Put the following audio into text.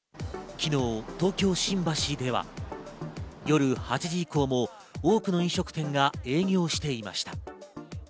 昨日、東京・新橋では夜８時以降も多くの飲食店が営業していました。